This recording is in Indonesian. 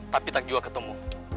tapi tak juga ketemu